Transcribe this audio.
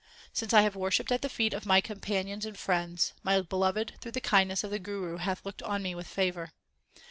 Since I have worshipped the feet of my companions and friends, 4 my Beloved through the kindness of the Guru hath looked on me with favour.